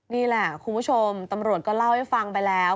นี่แหละคุณผู้ชมตำรวจก็เล่าให้ฟังไปแล้ว